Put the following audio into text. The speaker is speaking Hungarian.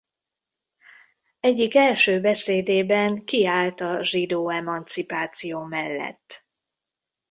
Egyik első beszédében kiállt a zsidó emancipáció mellett.